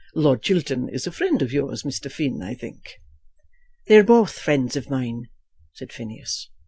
"Lord Chiltern is a friend of yours, Mr. Finn, I think." "They are both friends of mine," said Phineas.